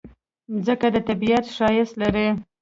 مځکه د طبیعت ښایست لري.